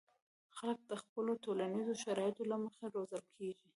خلک د خپلو ټولنیزو شرایطو له مخې روزل کېږي.